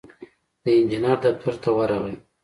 د انجينر دفتر ته ورغی.